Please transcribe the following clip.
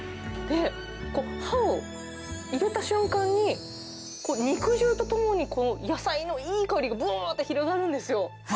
で、歯を入れた瞬間に、肉汁とともにこの野菜のいい香りがぶわーって広がるんですよ。